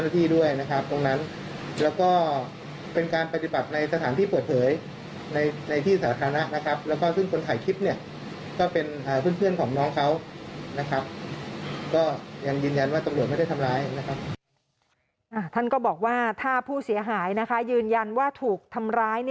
ท่านก็บอกว่าถ้าผู้เสียหายยืนยันว่าถูกทำร้าย